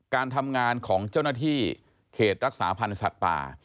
การทำงานของเจ้าหน้าที่เขตรักษาพันธ์สัตว์ป่า